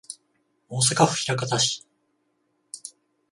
大阪府枚方市